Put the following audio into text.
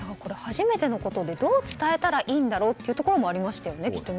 初めてのことでどう伝えたらいいんだろうというところもありましたよね。